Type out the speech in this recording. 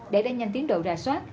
để đánh nhanh tiến độ rà soát